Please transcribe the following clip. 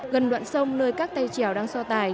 gần đoạn sông nơi các tay trèo đang so tài